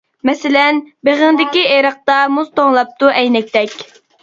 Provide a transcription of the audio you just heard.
مەسىلەن : بېغىڭدىكى ئېرىقتا، مۇز توڭلاپتۇ ئەينەكتەك.